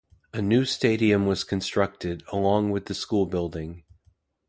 A new stadium was constructed along with the school building.